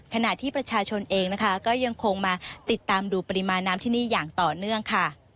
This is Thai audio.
ขณะที่ประชาชนเองนะคะก็ยังคงมาติดตามดูปริมาณน้ำที่นี่อย่างต่อเนื่องค่ะ